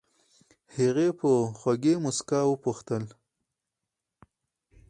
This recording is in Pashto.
هغې په خوږې موسکا وپوښتل.